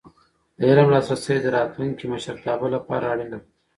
د علم لاسرسی د راتلونکي مشرتابه لپاره اړینه ده.